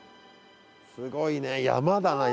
すごいね山だな山。